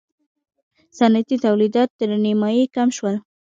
صنعتي تولیدات تر نییمایي کم شول.